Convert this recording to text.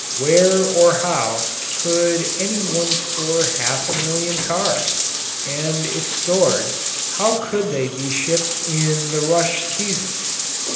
Where or how could any one store half a million cars? And if stored, how could they be shipped in the rush season?